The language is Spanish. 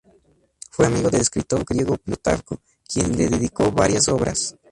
Fue amigo del escritor griego Plutarco, quien le dedicó varias obras.